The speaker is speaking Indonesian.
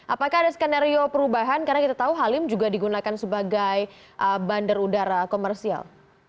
apakah ada skenario perubahan karena kita tahu halim juga digunakan sebagai bandar udara komersial